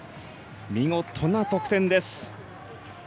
見事な得点です。